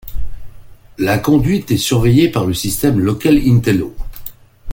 La conduite est surveillée par le système Lokel-Intelo.